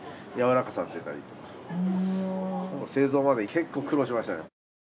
製造までに結構苦労しましたね。